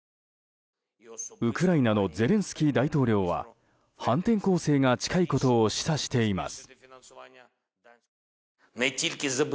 ウクライナのゼレンスキー大統領は反転攻勢が近いことを示唆しています。